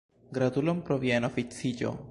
Gratulon pro via enoficiĝo.